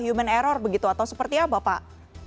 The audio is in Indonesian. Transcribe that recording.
human error begitu atau seperti apa pak